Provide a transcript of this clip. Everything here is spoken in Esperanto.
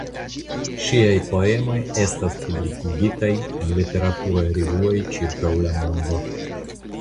Ŝiaj poemoj estas publikigitaj en literaturaj revuoj ĉirkaŭ la mondo.